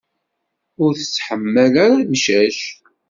Ur tettḥamal ara imcac.